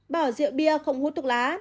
bảo rượu bia không hút thuốc lá